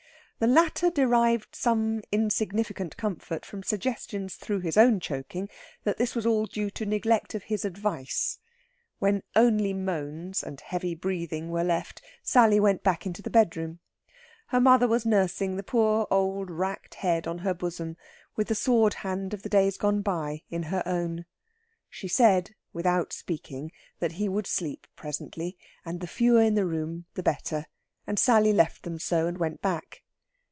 The latter derived some insignificant comfort from suggestions through his own choking that all this was due to neglect of his advice. When only moans and heavy breathing were left, Sally went back into the bedroom. Her mother was nursing the poor old racked head on her bosom, with the sword hand of the days gone by in her own. She said without speaking that he would sleep presently, and the fewer in the room the better, and Sally left them so, and went back.